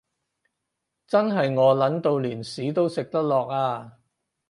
真係餓 𨶙 到連屎都食得落呀